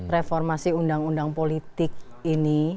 reformasi undang undang politik ini